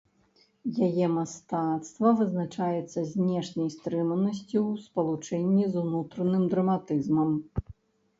Яе мастацтва вызначаецца знешняй стрыманасцю ў спалучэнні з унутраным драматызмам.